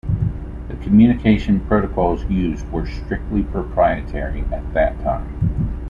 The communication protocols used were strictly proprietary at that time.